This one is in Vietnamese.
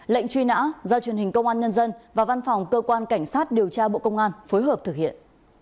lệnh truy nã do truyền hình công an nhân dân và văn phòng cơ quan cảnh sát điều tra bộ công an phối hợp thực hiện